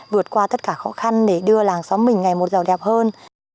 vượt qua tất cả khó khăn để đưa làng xóm mình ngày một giàu đẹp hơn